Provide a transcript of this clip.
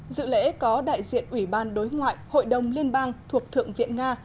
dự lễ có đại diện ủy ban đối ngoại hội đồng liên bang thuộc thượng viện nga